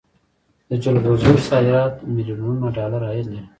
د جلغوزیو صادرات میلیونونه ډالر عاید لري